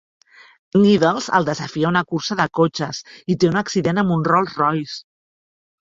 Needles el desafia a una cursa de cotxes, i té un accident amb un Rolls-Royce.